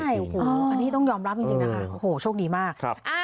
ใช่อันนี้ต้องยอมรับจริงนะคะโหโชคดีมาก